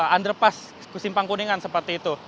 underpass simpang kuningan seperti itu